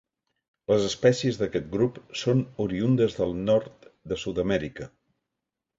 Les espècies d'aquest grup són oriündes del nord de Sud-amèrica.